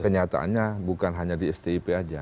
kenyataannya bukan hanya di stip saja